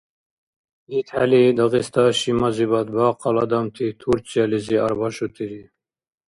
ИтхӀели Дагъиста шимазибад бахъал адамти Турциялизи арбашутири.